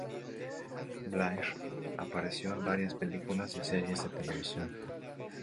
Blair apareció en varias películas y series de televisión.